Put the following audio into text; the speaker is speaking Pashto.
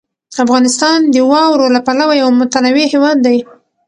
افغانستان د واورو له پلوه یو متنوع هېواد دی.